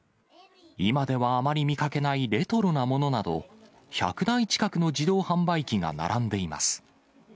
今ではあまり見かけないレトロなものなど、１００台近くの自動販売機が並んでいます。